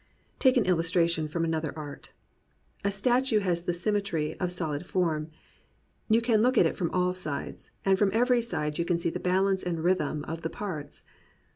Take an illustration from another art. A statue has the symmetry of solid form. You can look at it from all sides, and from every side you can see the balance and rhythm of the parts.